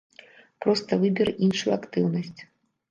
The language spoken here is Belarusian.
Проста выберы іншую актыўнасць.